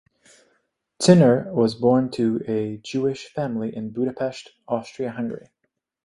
Czinner was born to a Jewish family in Budapest, Austria-Hungary.